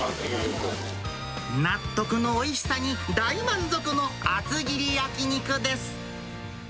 納得のおいしさに大満足の厚切り焼き肉です。